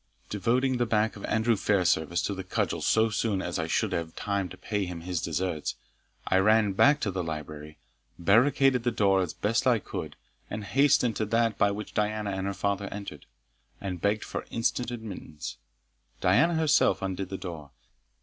Devoting the back of Andrew Fairservice to the cudgel so soon as I should have time to pay him his deserts, I ran back to the library, barricaded the door as I best could, and hastened to that by which Diana and her father entered, and begged for instant admittance. Diana herself undid the door.